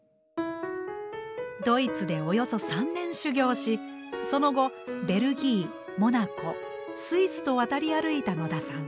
ドイツでおよそ３年修業しその後ベルギーモナコスイスと渡り歩いた野田さん。